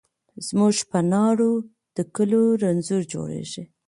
زموږ په ناړو د کلو رنځور جوړیږي